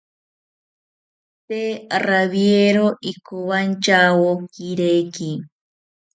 Tee rawiero ikowantyawo kireki